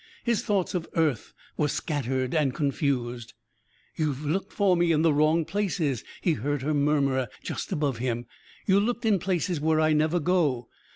His thoughts of earth were scattered and confused. "You looked for me in the wrong places," he heard her murmur just above him. "You looked in places where I never go.